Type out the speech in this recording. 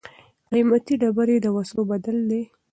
قیمتي ډبرې د وسلو بدل دي.